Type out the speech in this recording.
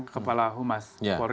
kepala humas kapolri